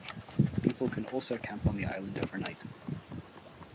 People can also camp on the island overnight.